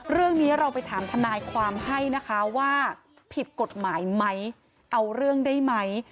เรื่องนี้เราไปถามทนายความให้นะคะว่าผิดกฎหมายไหมเอาเรื่องได้ไหม